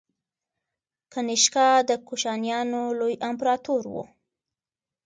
کنیشکا د کوشانیانو لوی امپراتور و